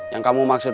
yang kamu maksud